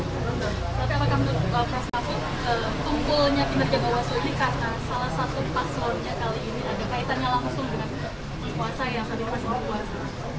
tapi apakah untuk bapak soe kumpulnya pinerja bapak soe ini karena salah satu paswurnya kali ini ada kaitannya langsung dengan kekuasaan yang sedang masih berkuasa